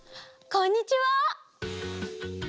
こんにちは！